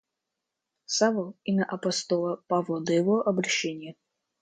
Савл — имя апостола Павла до его обращения.